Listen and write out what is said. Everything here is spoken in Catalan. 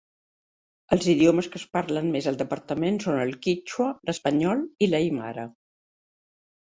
Els idiomes que es parlen més al departament son el quítxua, l'espanyol i l'aimara.